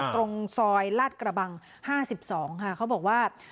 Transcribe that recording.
ตรงซอยลาดกระบังห้าสิบสองค่ะเขาบอกว่า